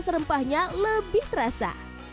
rempahnya lebih terasa